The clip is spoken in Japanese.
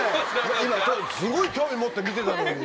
今すごい興味持って見てたのに。